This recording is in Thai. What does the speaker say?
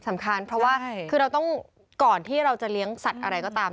สำคัญเพราะว่าคือเราต้องก่อนที่เราจะเลี้ยงสัตว์อะไรก็ตาม